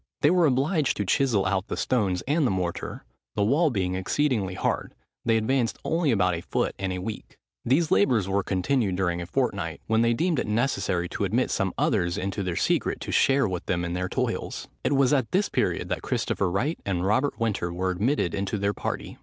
They were obliged to chisel out the stones and the mortar; the wall being exceedingly hard, they advanced only about a foot in a week. These labours were continued during a fortnight, when they deemed it necessary to admit some others into their secret, to share with them in their toils. It was at this period that Christopher Wright and Robert Winter were admitted into their party.